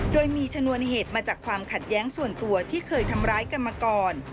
โดยมีชนวนเหตุมาจากความขัดแย้งส่วนตัวที่เคยทำร้ายกันมาก่อน